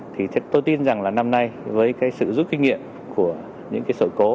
thì tôi tin rằng là năm nay với sự giúp kinh nghiệm của những sổ cố